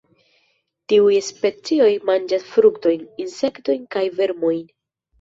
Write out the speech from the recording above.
Tiuj specioj manĝas fruktojn, insektojn kaj vermojn.